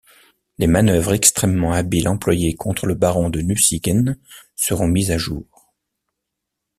Les manœuvres extrêmement habiles employées contre le baron de Nucingen seront mises à jour...